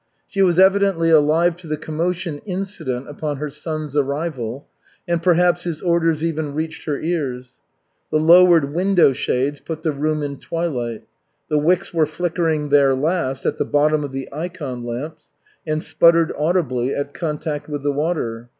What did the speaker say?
She was evidently alive to the commotion incident upon her son's arrival, and perhaps his orders even reached her ears. The lowered window shades put the room in twilight. The wicks were flickering their last at the bottom of the ikon lamps and sputtered audibly at contact with the water.